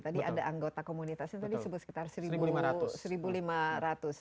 tadi ada anggota komunitasnya tadi sebut sekitar rp satu lima ratus